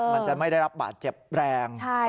มันจะไม่ได้รับบาดเจ็บแรง